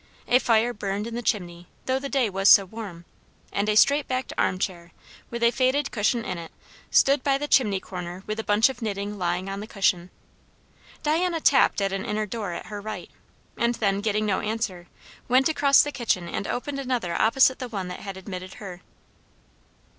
A fire burned in the chimney, though the day was so warm; and a straight backed arm chair, with a faded cushion in it, stood by the chimney corner with a bunch of knitting lying on the cushion. Diana tapped at an inner door at her right, and then getting no answer, went across the kitchen and opened another opposite the one that had admitted her.